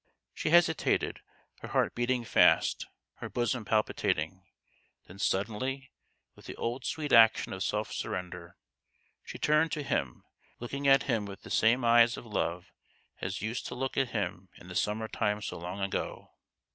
She hesitated ; her heart beating fast, her bosom palpitating. Then suddenly, with the 192 THE GHOST OF THE PAST. old sweet action of self surrender, she turned to him looking at him with the same eyes of love as used to look at him in the summer time so long ago.